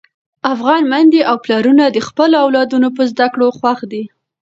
افغان میندې او پلرونه د خپلو اولادونو په زده کړو خوښ دي.